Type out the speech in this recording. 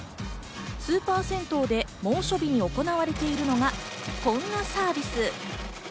スーパー銭湯で猛暑日に行われているのがこんなサービス。